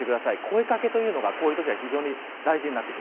声掛けというのがこういうときは非常に大事です。